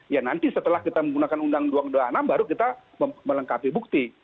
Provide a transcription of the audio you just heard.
ya nanti setelah kita menggunakan undang undang dua puluh enam baru kita melengkapi bukti